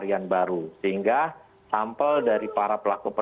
itu hal depan